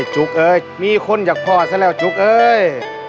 จุ๊กเอ้ยมีคนอย่างพ่อซะแล้วจุ๊กเอ้ย